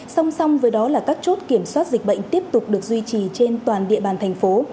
song song với đó là các chốt kiểm soát dịch bệnh tiếp tục được duy trì trên toàn địa bàn thành phố